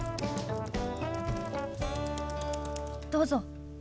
どうぞ。